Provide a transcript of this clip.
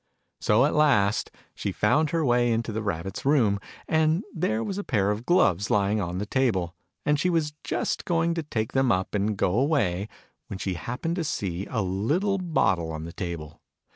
So at last she found her way into the Rabbit s room : and there was a pair of gloves lying on the table, and she was just going to take them up and go away, when she happened to see a little bottle on the table.